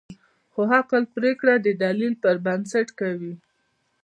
خو عقل پرېکړه د دلیل پر بنسټ کوي.